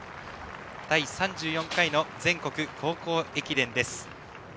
第３４回の全国高校駅伝です。